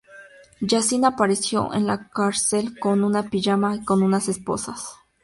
Yasin apareció en la cárcel con un pijama y con unas esposas.